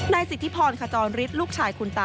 สิทธิพรขจรฤทธิ์ลูกชายคุณตา